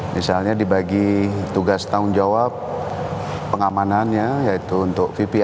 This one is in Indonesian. misalnya dibagi tugas tanggung jawab pengamanannya yaitu untuk vp